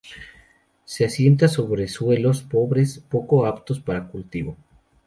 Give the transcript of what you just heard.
Se asienta sobre suelos pobres, poco aptos para cultivo.